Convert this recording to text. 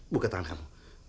buka tangan kamu